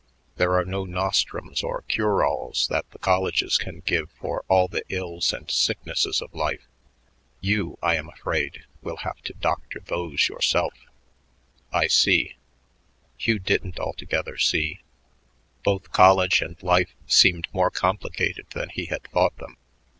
There are no nostrums or cure alls that the colleges can give for all the ills and sicknesses of life. You, I am afraid, will have to doctor those yourself." "I see." Hugh didn't altogether see. Both college and life seemed more complicated than he had thought them.